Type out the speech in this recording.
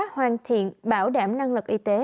hoàn thiện bảo đảm năng lực y tế